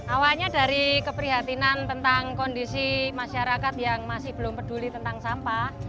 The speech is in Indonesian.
awalnya dari keprihatinan tentang kondisi masyarakat yang masih belum peduli tentang sampah